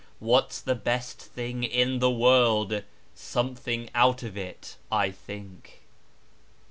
What's the best thing in the world? Something out of it, I think.